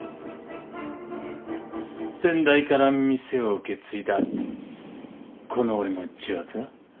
先代から店を受け継いだこの俺の重圧が。